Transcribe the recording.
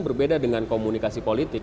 berbeda dengan komunikasi politik